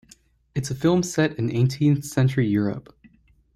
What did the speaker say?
It's a film set in eighteenth century Europe.